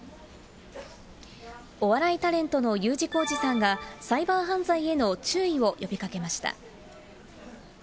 お笑いタレントのＵ字工事さんが、サイバー犯罪への注意を呼びかけました。